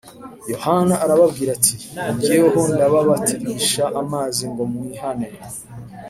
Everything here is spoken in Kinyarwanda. Yohana arababwira ati ‘‘Jyeweho ndababatirisha amazi ngo mwihane